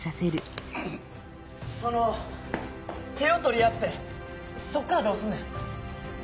その手を取り合ってそっからどうすんねん。